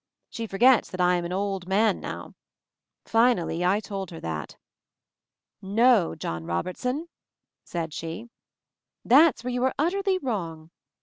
She forgets that I am an old man now. Finally I told her that. "No, John Robertson," she she, "that's where you are utterly wrong.